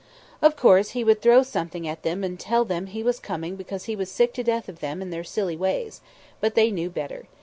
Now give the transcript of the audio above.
Of course He would throw something at them and tell them He was coming because He was sick to death of them and their silly ways; but they knew better.